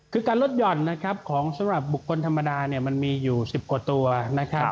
การลดหย่อนของสำหรับบุคคลธรรมดามันมีอยู่๑๐กว่าตัว